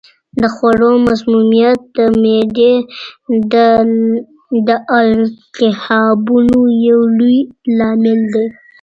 د خوړو مسمومیت د معدې د التهابونو یو لوی لامل دی.